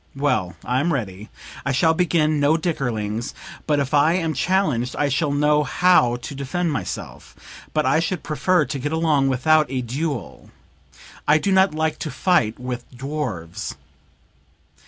Well, I'm ready. I shall begin no dickerings, but if I am challenged I shall know how to defend myself. But I should prefer to get along without a duel; I do not like to fight with dwarfs."